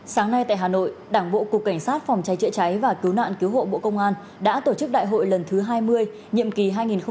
sáng nay tại hà nội đảng bộ cục cảnh sát phòng cháy chữa cháy và cứu nạn cứu hộ bộ công an đã tổ chức đại hội lần thứ hai mươi nhiệm kỳ hai nghìn hai mươi hai nghìn hai mươi năm